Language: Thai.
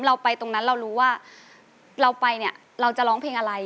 เราไปตรงนั้นเรารู้ว่าเราไปเนี่ยเราจะร้องเพลงอะไร